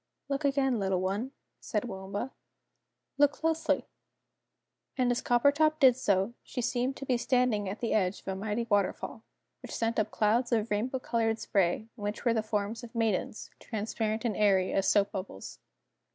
"Look again, little one," said Waomba. "Look closely!" And as Coppertop did so, she seemed to be standing at the edge of a mighty waterfall, which sent up clouds of rainbow coloured spray, in which were the forms of Maidens, transparent and airy as soap bubbles.